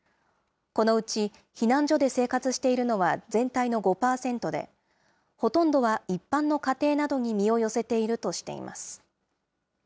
このうち避難所で生活しているのは全体の５％で、ほとんどは一般の家庭などに身を寄せているとしています。